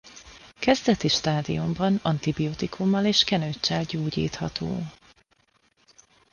Kezdeti stádiumban antibiotikummal és kenőccsel gyógyítható.